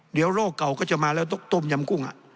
เดี๋ยวโรคเก่าก็จะมาแล้วต้องต้มยำกุ้ง